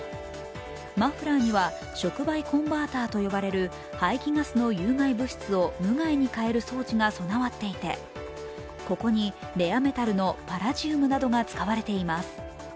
マフラーには触媒コンバーターと呼ばれる排気ガスの有害物質を無害に変える装置が備わっていてここにレアメタルのパラジウムなどが使われています。